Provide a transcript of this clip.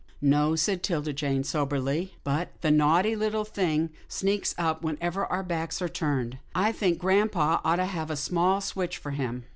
"No," said 'Tilda Jane, soberly, "but the naughty little thing sneaks up whenever our backs are turned. I think grampa ought to have a small switch for him."